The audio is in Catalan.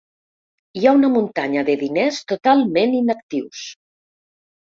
Hi ha una muntanya de diners totalment inactius.